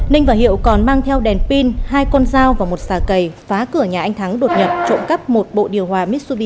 ninh và hiệu còn mang theo đèn pin hai con dao và một xà cầy phá cửa nhà anh thắng đột nhập trộm cắp một bộ điều hòa mitsudi